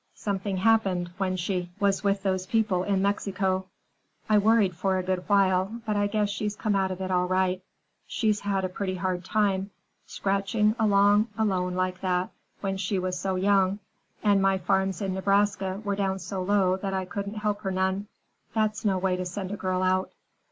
Something happened when she was with those people in Mexico. I worried for a good while, but I guess she's come out of it all right. She'd had a pretty hard time, scratching along alone like that when she was so young, and my farms in Nebraska were down so low that I couldn't help her none. That's no way to send a girl out.